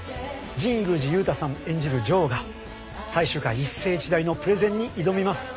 神宮寺勇太さん演じる城が最終回一世一代のプレゼンに挑みます。